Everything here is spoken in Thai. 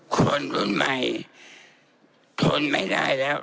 คนรุ่นใหม่โทรมากมากมาก